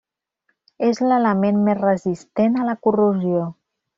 És l'element més resistent a la corrosió.